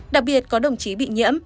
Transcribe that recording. đặc biệt có đồng chí bị nhiễm